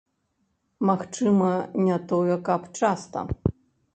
Магчыма, не тое каб часта.